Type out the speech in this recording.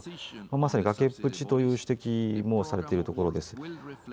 まさに崖っぷちという指摘もされているところです。